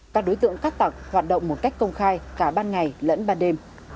các đối tượng cát tặc hoạt động một cách công khai cả ban ngày lẫn ban đêm